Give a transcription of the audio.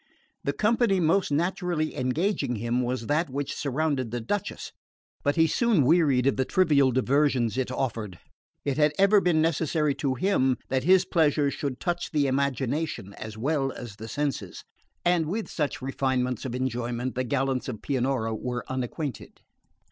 The company most naturally engaging him was that which surrounded the Duchess; but he soon wearied of the trivial diversions it offered. It had ever been necessary to him that his pleasures should touch the imagination as well as the senses; and with such refinement of enjoyment the gallants of Pianura were unacquainted.